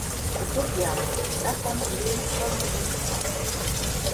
Ethiopia! Dat kontri wey chop no dey dey?